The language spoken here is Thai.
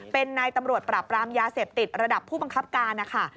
เป็นนายตำรวจปราบรามยาเสพติดระดับผู้บังคับการนะคะ